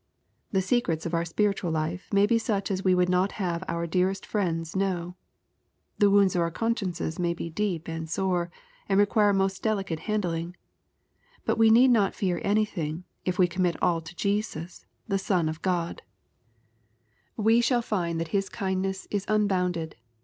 The secrets of our spiritual life may be such as we would not have^our dearest friends know. The wounds of our consciences may be deep and sore, and require most delicate handling. But we need not fear anything, if we commit all to Jesus, the Son of God. LUKE, CHAP, IX. 299 We shall find that His kindness is unbounded.